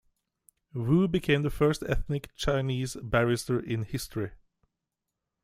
Wu became the first ethnic Chinese barrister in history.